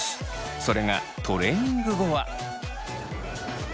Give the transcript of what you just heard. それがトレーニング後は。